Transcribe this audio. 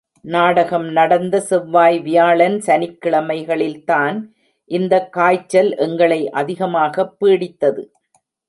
நாடகம் நடந்த செவ்வாய், வியாழன், சனிக்கிழமைகளில்தான் இந்தக் காய்ச்சல் எங்களை அதிகமாகப் பீடித்தது.